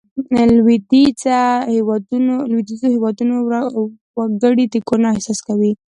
لوېدیځو هېوادونو وګړي د ګناه احساس کوي.